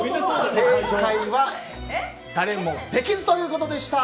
正解は誰もできずということでした。